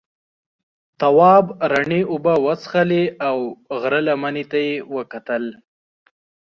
تواب رڼې اوبه وڅښلې او غره لمنې ته یې وکتل.